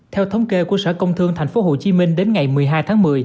theo thống kê của sở công thương thành phố hồ chí minh đến ngày một mươi hai tháng một mươi